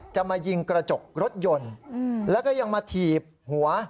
จะมายิงกระจกรถยนต์แล้วก็ยังมาถีบหัว